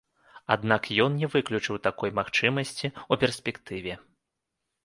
Аднак ён не выключыў такой магчымасці ў перспектыве.